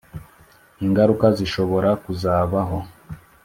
ingaruka zishobora kuzabaho